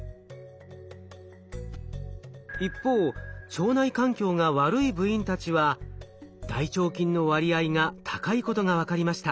一方腸内環境が悪い部員たちは大腸菌の割合が高いことが分かりました。